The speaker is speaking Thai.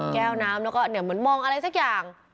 แก้วน้ำแล้วก็เหมือนมองอะไรสักอย่าง